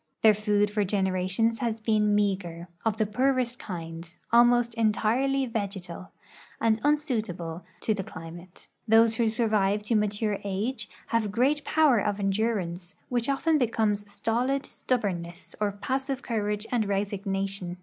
Their food for generations has been mea ger, of the poorest kind, almost entirely vegetal, and unsuitable to the climate. Those avIio survive to mature age have great })OAver of endurance, Avhich often becomes stolid stubbornness or passive courage and resignation.